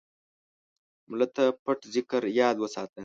مړه ته د پټ ذکر یاد وساته